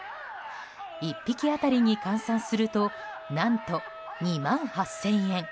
１匹当たりに換算すると何と２万８０００円。